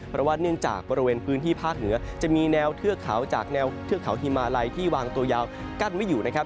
เพราะว่าเนื่องจากบริเวณพื้นที่ภาคเหนือจะมีแนวเทือกเขาจากแนวเทือกเขาฮิมาลัยที่วางตัวยาวกั้นไม่อยู่นะครับ